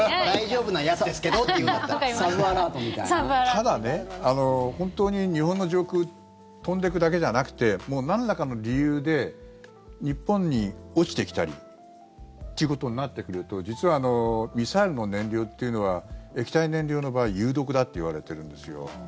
ただ、本当に日本の上空を飛んでいくだけじゃなくてなんらかの理由で日本に落ちてきたりということになってくると実はミサイルの燃料というのは液体燃料の場合有毒だといわれているんですよ。